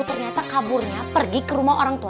tuh kira kasut satu